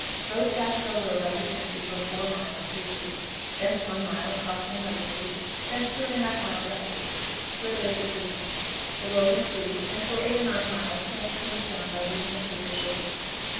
Road passes over a rugged country for 4 miles, to a creek; thence one mile it crosses another creek; thence 2 1/2 miles up the creek, where there is a good camp. The road improves, and for 8 or 9 miles camps can be found by leaving the creek a short distance.